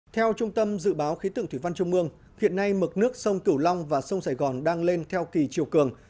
theo trung tâm dự báo khí tượng thủy văn trung mương hiện nay mực nước sông cửu long và sông sài gòn đang lên theo kỳ chiều cường